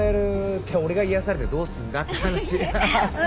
って俺が癒やされてどうすんだって話ははっ。